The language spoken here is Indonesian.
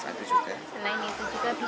selain itu juga bisa edukasi anak